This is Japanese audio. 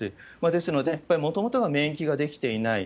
ですので、やっぱりもともとは免疫ができていない。